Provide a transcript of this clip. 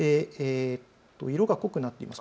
色が濃くなっています